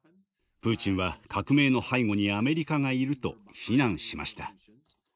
プーチンは革命の背後にアメリカがいると非難しました。